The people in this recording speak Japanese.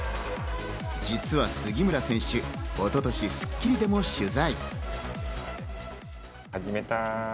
実は杉村選手、一昨年『スッキリ』でも取材。